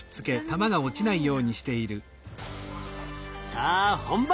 さあ本番！